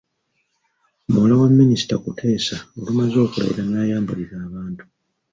Muwala wa Minisita Kuteesa, olumaze okulayira n’ayambalira abantu.